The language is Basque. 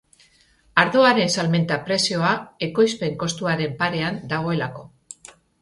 Ardoaren salmenta prezioa ekoizpen kostuaren parean dagoelako.